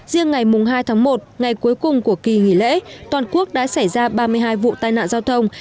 riêng ngày hai tháng một ngày cuối cùng của kỳ nghỉ lễ toàn quốc đã xảy ra ba mươi hai vụ tai nạn giao thông